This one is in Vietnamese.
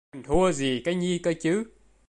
Mình thua gì cái nhi cơ chứ